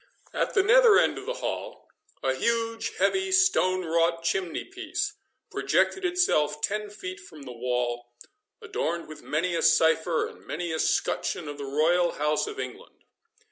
At the nether end of the hall, a huge, heavy, stone wrought chimney piece projected itself ten feet from the wall, adorned with many a cipher, and many a scutcheon of the Royal House of England.